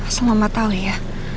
asal mama tau ya